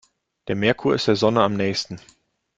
Der Merkur ist der Sonne am nähesten.